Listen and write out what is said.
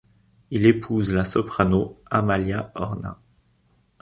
Il épouse la soprano Amalia Horna.